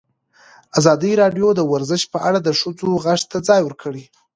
ازادي راډیو د ورزش په اړه د ښځو غږ ته ځای ورکړی.